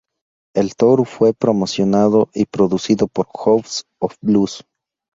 El tour fue promocionado y producido por "House of Blues".